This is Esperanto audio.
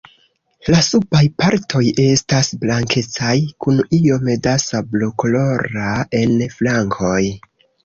La subaj partoj estas blankecaj kun iom da sablokolora en flankoj.